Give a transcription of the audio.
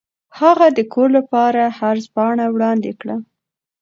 هغه د کور لپاره عرض پاڼه وړاندې کړه.